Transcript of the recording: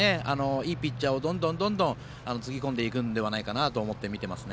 いいピッチャーをどんどんつぎ込んでいくのではないかと思って、見ています。